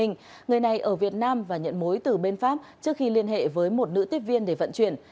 người này ở việt nam và nhận mối từ bên pháp trước khi liên hệ với một nữ tiếp viên để vận chuyển